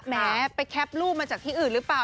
แหมไปแคปรูปมาจากที่อื่นหรือเปล่า